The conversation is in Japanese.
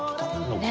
ねえ。